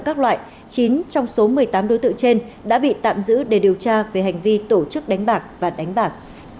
các loại chín trong số một mươi tám đối tượng trên đã bị tạm giữ để điều tra về hành vi tổ chức đánh bạc và đánh bạc